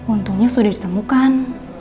untungnya sudah ditemukan